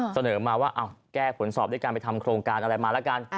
เสนอมาว่าแก้ผลสอบด้วยการไปทำโครงการอะไรมาแล้วกัน